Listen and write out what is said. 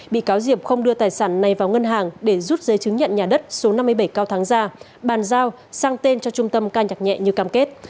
bị cáo diệp không đưa tài sản này vào ngân hàng để rút giấy chứng nhận nhà đất số năm mươi bảy cao thắng ra bàn giao sang tên cho trung tâm ca nhạc nhẹ như cam kết